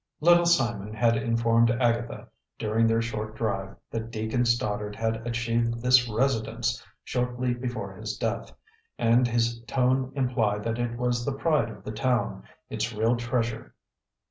Little Simon had informed Agatha, during their short drive, that Deacon Stoddard had achieved this "residence" shortly before his death; and his tone implied that it was the pride of the town, its real treasure.